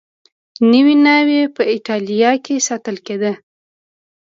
نوې ناوې په اېټالیا کې ساتل کېده.